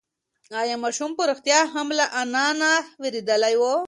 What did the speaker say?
ایا ماشوم په رښتیا هم له انا نه وېرېدلی و؟